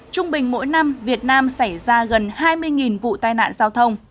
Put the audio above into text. trung bình mỗi năm việt nam xảy ra gần hai mươi vụ tai nạn giao thông